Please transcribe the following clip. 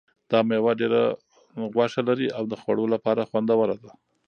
دا مېوه ډېره غوښه لري او د خوړلو لپاره خوندوره ده.